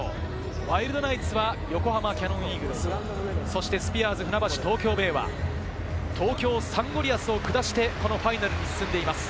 ワイルドナイツは横浜キヤノンイーグルス、スピアーズ船橋・東京ベイは東京サンゴリアスを下して、このファイナルに進んでいます。